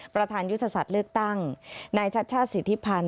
ประธานยุทธศาสตร์เลือกตั้งนายชัดชาติสิทธิพันธ์